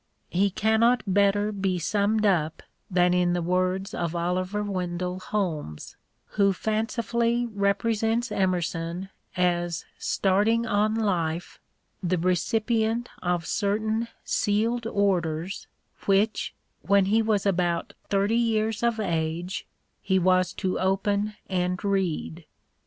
He cannot better be summed up than in the words of Oliver Wendell Holmes, who fancifully represents Emerson as starting on life the recipient of certain sealed orders which, when he was about thirty years of age, he was to open and read.